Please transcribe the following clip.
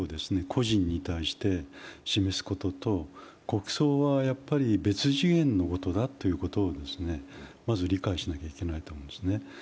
故人に対して示すことと国葬は別次元のことだということをまず理解しなきゃいけないと思います。